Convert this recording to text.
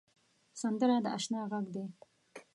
سندره د اشنا غږ دی